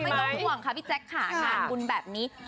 ไม่ต้องห่วงค่ะพี่แจ๊คค่ะงานบุญแบบนี้